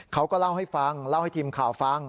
เขาก็เล่าให้ฟังเล่าให้ทีมข่าวฟัง